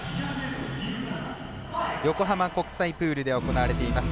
横浜国際プールで行われています。